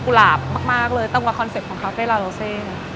กุหลาบมากมากเลยตรงกับคอนเซปต์ของคราวเฟ้ยลาโรเซ